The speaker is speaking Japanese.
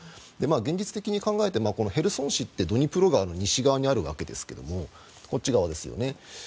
現実的に考えてヘルソン市ってドニプロ川の西にあるわけですがこっち側ですよね。